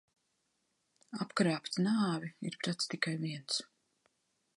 Apkrāpt nāvi ir pratis tikai viens.